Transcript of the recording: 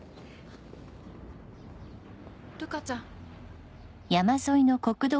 ルカちゃん。